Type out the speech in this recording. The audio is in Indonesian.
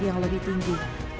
yang lebih tinggi